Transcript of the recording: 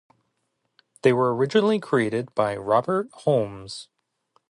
They were originally created by Robert Holmes.